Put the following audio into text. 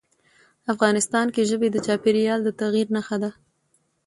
افغانستان کې ژبې د چاپېریال د تغیر نښه ده.